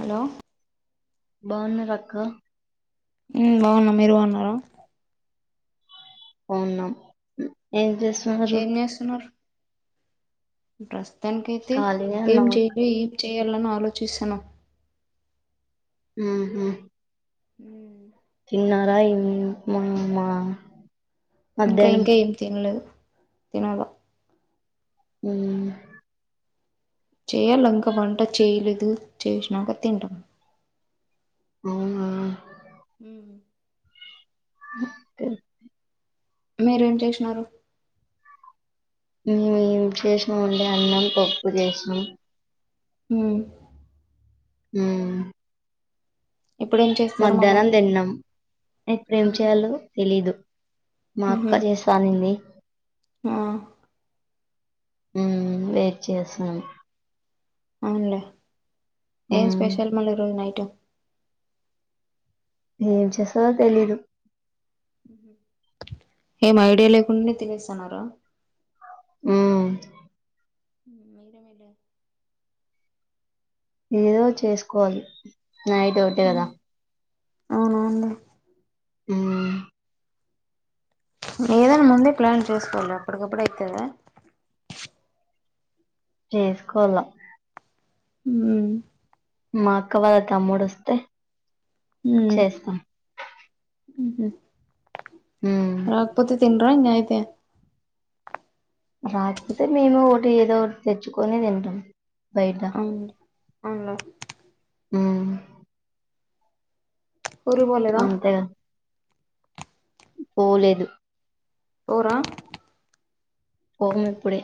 Hello బాన్నరక్క బాన్నాం మీరు బాన్నార బాన్నాం ఏం చేస్తున్నారు ఎస్తున్నారు ప్రస్తుతానికైతే ఖాళీగా ఏం ఉన్నాం అక్క చెయలో ఏం చెయాలో అని ఆలోచిస్తున్నం [unintelligible] ఉ తిన్నారా ఇ మామ్మా ఇంకా ఇంకా ఏం తినలేదు తినాల మ్ చేయాలి ఇంకా వంట చేయలేదు చేసినాక తింటాం అవునా హ్మ్ అ మీరేం చేసినారు మేము ఏం చేసాం అంటే అన్నం పప్పు చేస్నామ్ ఉమ్ ఉమ్ ఇప్పుడేం చేస్తారు మళ్ళా మధ్యాహ్నం తిన్నాం ఎప్పుడేమి చేయాలో తెలీదు మా అక్క ఉహు చేస్వానింది ఆ మ్ వెయిట్ చేసాను అవునలే ఏం మ్మ్ స్పెషల్ మల్లా ఈరోజు నైట్ ఏం చేస్తదో తెలీదు ఏం ఐడియా లేకుండానే తినేస్తున్నారా ఆ మీ [unintelligible] ఏదో చేసుకోవాలి నైట్ ఒకటే కదా అవునవునులే ఆ ఏదైనా ముందే ప్లాన్ చేసుకోవాలి అప్పటికప్పుడు అయితదా చేసుకోవాల హ్మ్ మా అక్క వాళ్ళ తమ్ముడు వస్తే ఉమ్ చేస్తాం ఉమ్ రాకపోతే తిన్రా ఇంగ అయితే రాకపోతే మేము ఒకటి ఏదో ఒకటి తెచ్చుకొని తింటాం బయట అవునలే ఆ ఊరికి బోలేదా అంతేగా పోలేదు పోరా పోము ఇప్పుడే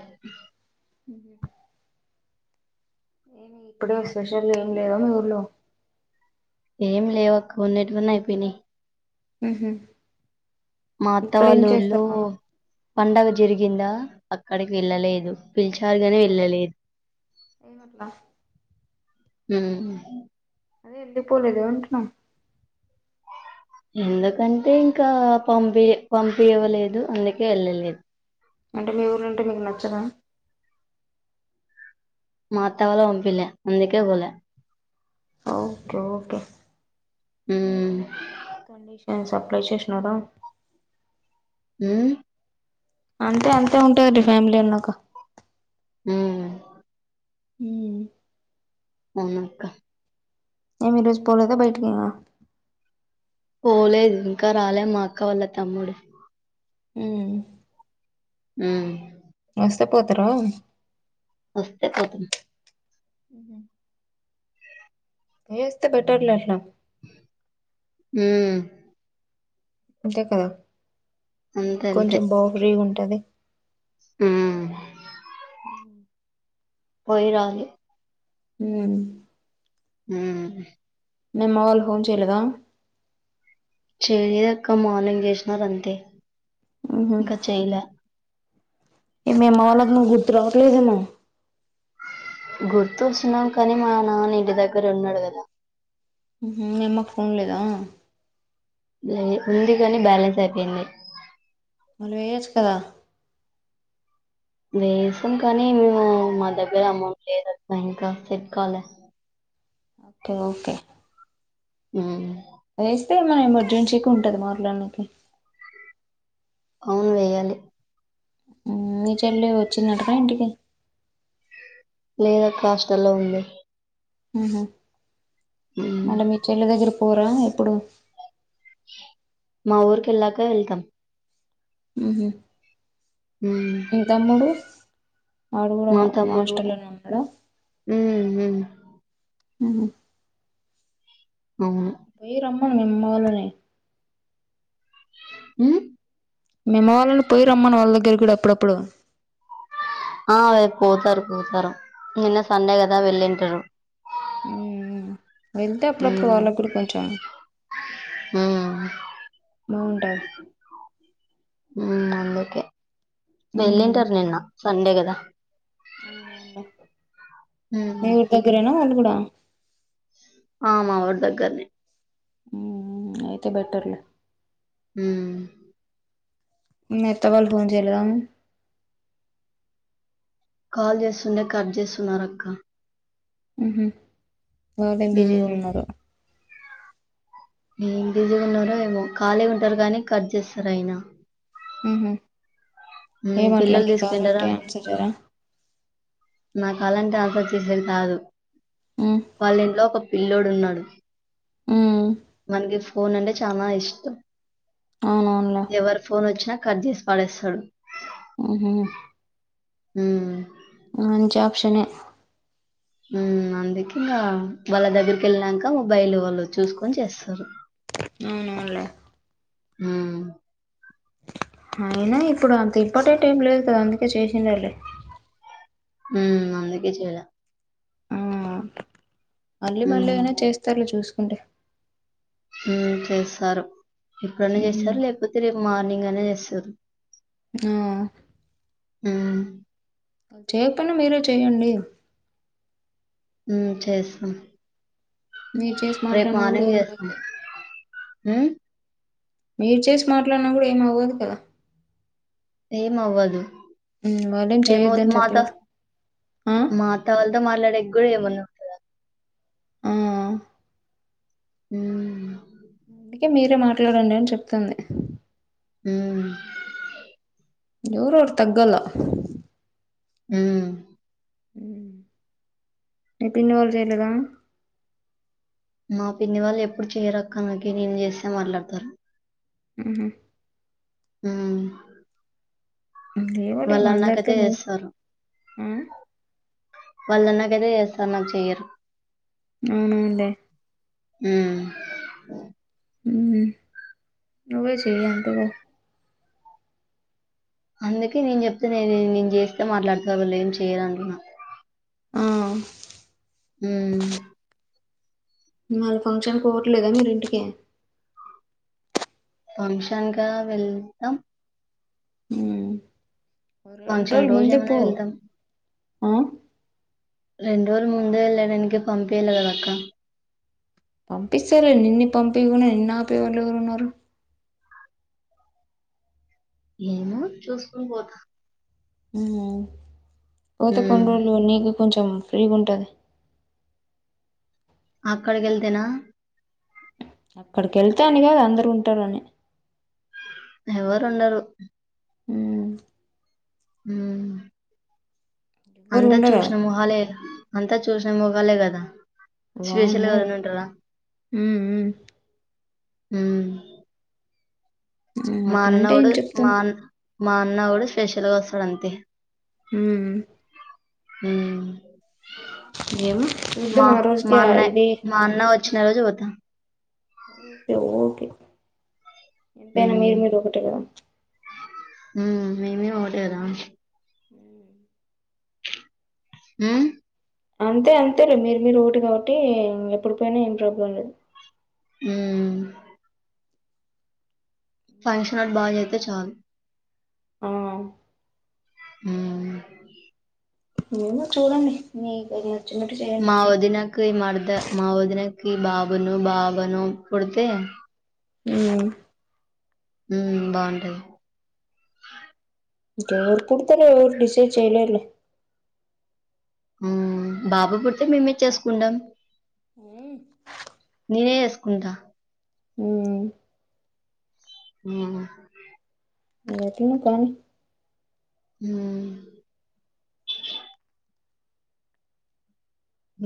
ఇప్పుడే స్పెషల్ ఏం లేవని ఊర్లో ఏమి లేవక్క వున్నెటివన్నీ అయిపోయినాయి ఊహు మా అత్త వాల్ల ఊర్లో మళ్ళా పండగ జరిగిందా అక్కడికి వెళ్ళలేదు పిలిచారుగాని వెళ్ళలేదు ఆ మ్మ్ అదే ఎందుకు పోలేదు అంటున్నా ఎందుకంటే ఇంకా పంపి పంపి ఇవ్వలేదు అందుకే వెళ్ళలేదు అంటే మీ ఊరుళంటే మీకు నచ్చదా మా అత్త వాళ్లు వంపిలే అందుకే పోలే ఓకే ఓకే ఉమ్మ్ కండిషన్స్ అప్లై చేసినడు హ అంతే అంతే ఉంటుంది ఫ్యామిలీ అన్నాక హ హ అవును ఏమి ఈరోజు పోలేదా బయటికి పోలేదు ఇంకా రాలేదు మా అక్క వాళ్ళ తమ్ముడు ఉ ఆ వస్తే పోతార వస్తే పోతాం ఉ పోయిస్తే బెటర్లట్లా హ అంతే కదా అంతే మీకు అంతే కొంచెం బౌండరీ గా ఉంటది ఉ పోయి రాలే ఉ హ మీ అమ్మ వాళ్ళు ఫోన్ చేయలేదా చేయదక్క మార్నింగ్ చేసినారు అంతే ఉహు ఇంకా చేయలే మీ అమ్మ వాళ్లకి నువ్వు గుర్తు రావట్లేదేమో గుర్తుస్తున్నాం కానీ మా నాన్న ఇంటి దగ్గర ఉన్నాడు కదా మీ అమ్మ కి ఫోన్లేదా లే ఉంది కాని బ్యాలెన్స్ అయిపోయింది నువ్వు వేయచ్చు కదా వేసాం కానీ మేము మా దగ్గర అమౌంట్ లేదు అక్క ఇంకా తెచ్చుకోవాలే ఓకే ఆ అదిస్తే మనం ఎమర్జెన్సీకి ఉంటది మాట్లాడానికీ అవును వేయాలి మీ చెల్లి వచ్చిందటనా ఇంటికి లేదాక్క హాస్టల్లో ఉంది ఆహ ఉమ్ అంటే మీ చెల్ల దగ్గర పోరా ఎప్పుడు మా ఊరికి ఎళ్ళాక వెళ్తాం ఉహ ఉ మీ తమ్ముడు వాడు కూడా తమ్ముడు కూడా హాస్టలోనే ఉన్నాడు హ్మ్ హ్మ్ మ్మ్ అవును మీ రమ్మ మీ అమ్మ వాళ్ళనే మ్ మి అమ్మ వాళ్ళని పోయి రమ్మను వాళ్ళ దగ్గర కూడా అప్పుడప్పుడు ఆ రేపు పోతారు పోతారు నిన్న సండే కదా వెళ్ళింటారు వెళ్తే అప్పుడప్పుడు హ్మ్ వాళ్ళకి కూడా కొంచెం హ్మ్ బాగుంటది మ్ అందుకే వెళ్ళింటారు నిన్న సండే కదా అవున మీ హ్మ్ ఊరి దగ్గరేనా వాళ్ళు కూడా ఆ మా ఊరు దగ్గర్నే మ్ మ్ అయితే బెటర్లే మ్ మీ అత్త వాళ్ళు ఫోన్ చేయలేదా కాల్ చేస్తుండే కట్ చేస్తున్నారక్క మ్ హు వాళ్ళేం హ్మ్ బిజిగున్నారో ఏం బిజీగా ఉన్నారో ఏమో ఖాళీగా ఉంటారు కానీ కట్ చేస్తారు ఆయిన మ్ హు హ్మ్ ఏమాట్ల పిల్లలు మీ తీసుకుంటారా కాలంటే ఆన్సర్ చేయర నా కాలంటే ఆన్సర్ చేసేది కాదు ఉమ్ వాళ్ళ ఇంట్లో ఒక పిల్లోడు ఉన్నాడు మ్ వానికి ఫోన్ అంటే చానా ఇష్టం అవునవునులే ఎవరి ఫోన్ వచ్చినా కర్ చేసి పాడేస్తాడు మ్ హు మ్ మంచి అప్క్షనేే మ్ అందుకే ఇగ వాళ్ళ దగ్గరికి వెళ్ళాక మొబైల్ వాళ్ళు చూసుకొని చేస్తారు అవునవునులే మ్ అయినా ఇప్పుడు అంత ఇంపార్టెంట్ ఎం లేదు కదా అందుకే చేసిండరులే మ్ అందుకే చేయలే ఆ మళ్ళీ మళ్ళీ హ్మ్. అయినా చేస్తారులే చూసుకుంటే మ్ చేస్తారు ఎప్పుడన్న మ్మ్ చేస్తారు లేకపోతే రేపు మార్నింగ్ అన్న చేస్తారు ఆ మ్ చేయక పోయినా మీరే చేయండి మ్ చేస్తాం మీరు చేసి రేపు మాట్లాడినా కూడా మార్నింగ్ ఏం కాదు చేస్తాం కదా మ్ మీరు చేసి మాట్లాడిన కూడా ఏమి అవ్వదు కదా ఏమవ్వదు మ్మ్ వాళ్ళేం చేయొద్దని ఏమవుతదిమాట చెప్పలేదు ఆ మా త వళ్ళతో మాట్లాడేకి కూడా ఇవ్వను ఆ మ్ అందుకే మీరే మాట్లాడండి అని చెప్తుంది మ్ ఎవరోఒరు తగ్గల మ్ మీ పిన్ని వాళ్ళు చేయలేదా మా పిన్ని వాళ్ళు ఎప్పుడు చేయరక్క నాకి నేను చేస్తే మాట్లాడుతారు ఆహా ఆ ఏవోలే వాళ్ళు నాకు అందరితో అదే నువ్వు ఇస్తారు ఆ వాళ్ళ నాకైతే చేస్తారు నాకు చెయ్యరు అవునులేే ఉ ఉహు నువ్వే చెయ్యి అంటగా అందుకే నేను చెప్తే నే నేను చేస్తే మాట్లాడతారు వాళ్ళు ఏం చేయరు అంటున్నా ఆ ఉ మళ ఫంక్షన్ పోవట్లేదా మీరి ఇంటికి ఫంక్షన్ కా వెళ్తాం హ్మ్ రెండు ఫంక్షన్ రోజులు ముందే రోజేమైనా పో వెళ్తాం. ఆ రెండు రోజుల ముందే లేవని కి పంపియలి కదా అక్క పంపిస్తారు నిన్ను పంపయకుండా నిన్ను ఆపేవాళ్ళు ఎవరు ఉన్నారు ఏమో చూసుకుని పోతా పోత కొన్ని హ్మ్. రోజులు నీకు కొంచెం ఫ్రీగా ఉంటది అక్కడికి వెళ్తే నా అక్కడికి వెళ్తా అని కాద అందరు ఉంటారు అని ఎవరు ఉండరు ఉ ఉ ఎవ్వరు అందరూ ఉండరా చూసిన మొహాలే అంతా చూసినా మొహాలే కదా స్పెషల్ వామ్మో ఏమన్నా ఉంటాదా మ్మ్ ఉమ్ మ్మ్ మా అన్న అట్లంటే ఏం కూడా చెప్తాం మా మా అన్న కూడా స్పెషల్ గా వస్తాడు అంతే ఉ ఉ ఏమ ఇది మా రోజుకి ఇది మా అన్న వచ్చిన రోజు వద్దం ఓకే ఓకే ఎంతైనా మీరు ఉమ్. మీరు ఒకటి కద ఉమ్ మేం మేం ఒకటే రా ఆ అంతే అంతేలే మీరు మీరు ఒకటి కాబట్టి ఎప్పుడు పోయినా ఏం ప్రాబ్లం లేదు ఆ ఫంక్షన్ వాళ్లు బాగా చేస్తే చాలు ఆ ఆ ఏమి చూడని నీ కెరియర్ నిక్ మా వదినకి మరద మా వదినకి బాబును బాబను పుడితే ఉ ఉమ్ బాగుంటది ఎవరు పుడతారో ఎరు డిసైడ్ చేయలేరులే ఉమ్ బాబా పుడితే మేమే చేసుకుంటాం ఊ నేనే ఏసుకుంటా ఉ ఆ ఏ తిన కా న్ హూ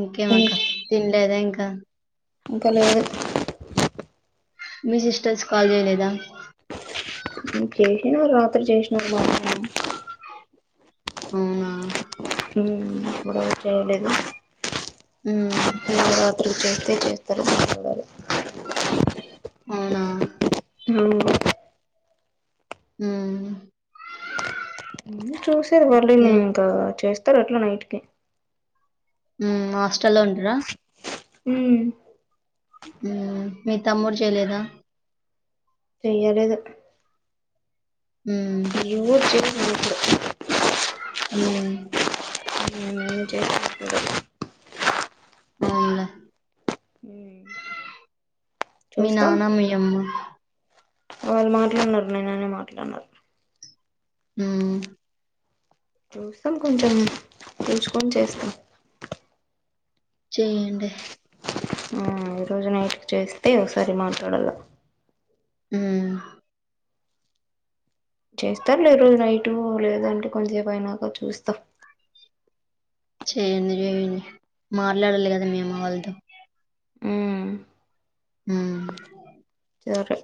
ఇంకేమక్క తిన్లేదా ఇంక ఇంక లేదు మీ సిస్టర్స్ కాల్ జేయలేదా? ఉ చేసినారు రాత్రి చేసినారు మాట్లాడ అవునా ఉ ఇప్పుడు చేయలేదు ఉమ్, నిన్న రాత్రి చేస్తే చేస్ తెర [unintelligible] అవున ఆ ఉ నిన్ను చూసారు వాళ్ళీని ఎవ్- ఇంకా చేస్తారు అట్లే నైట్ ఉ హాస్టల్లో ఉంటరా? ఉ ఉ మీ తమ్ముడు చేయలేదా? చేయలేదు ఉ ఎవ్వరు చేయలేదు ఇప్పుడు ఉ నేన్ నెన్ చేస్నా [inaudible] అవున్లె మీ నాన్న మీ అమ్మ వాల్ మాట్లానర్ నేననే మాట్లానర్ ఉ చూసం కొంచెం తెలుస్కొని చేస్త చేయండి ఆ ఈ రోజు నైట్కి చేస్తే ఒకసారి మాట్లాడల ఊ చేస్తారు లే ఈ రోజు నైటు లేదంటే కొంతసేపు అయినాక చూస్త. చేయండి జేయండి మాట్లాడలి కదా మీ అమ్మవాళ్తో ఉమ్ ఉ సరే